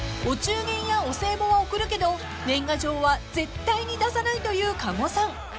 ［お中元やお歳暮はおくるけど年賀状は絶対に出さないという加護さん］